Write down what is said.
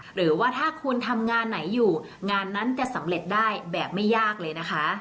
หรือว่าถ้าคุณทำงานไหนอยู่งานนั้นจะสำเร็จได้แบบไม่ยากเลยนะคะ